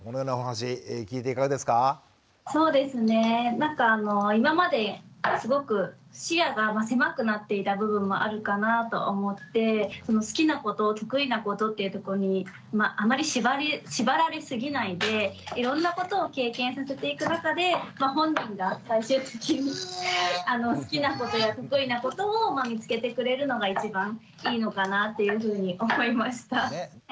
なんか今まですごく視野が狭くなっていた部分もあるかなと思って好きなこと得意なことっていうとこにあまり縛られすぎないでいろんなことを経験させていく中で本人が最終的に好きなことや得意なことを見つけてくれるのが一番いいのかなっていうふうに思いました。